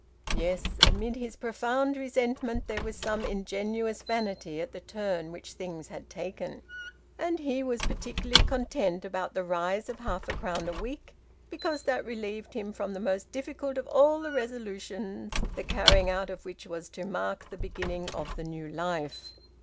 Yes, amid his profound resentment, there was some ingenuous vanity at the turn which things had taken. And he was particularly content about the rise of half a crown a week, because that relieved him from the most difficult of all the resolutions the carrying out of which was to mark the beginning of the new life.